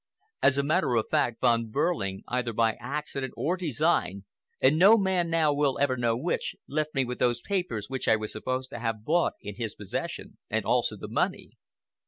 As a matter of fact, Von Behrling, either by accident or design, and no man now will ever know which, left me with those papers which I was supposed to have bought in his possession, and also the money.